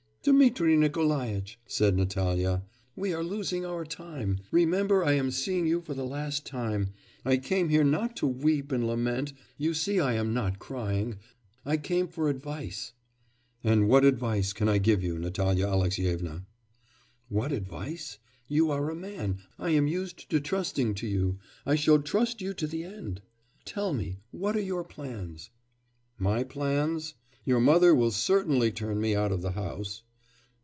'Dmitri Nikolaitch!' said Natalya, 'we are losing our time. Remember I am seeing you for the last time. I came here not to weep and lament you see I am not crying I came for advice.' 'And what advice can I give you, Natalya Alexyevna?' 'What advice? You are a man; I am used to trusting to you, I shall trust you to the end. Tell me, what are your plans?' 'My plans.... Your mother certainly will turn me out of the house.